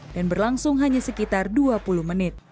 berlangsung hanya sekitar dua puluh menit